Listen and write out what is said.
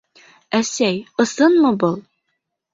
Әсәй, ысынмы был?